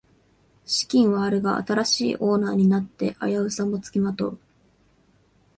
資金はあるが新しいオーナーになって危うさもつきまとう